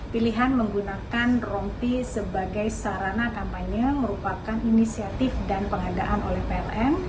pilihan menggunakan rompi sebagai sarana kampanye merupakan inisiatif dan pengadaan oleh pln